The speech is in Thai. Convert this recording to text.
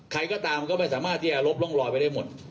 ใครก็ตามก็ไม่สามารถที่จะลบร่องรอยไปได้หมด